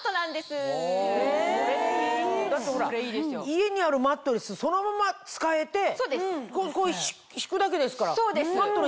家にあるマットレスそのまま使えて敷くだけですから。